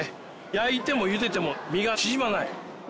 焼いても茹でても身が縮まない。